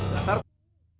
kasian eang bu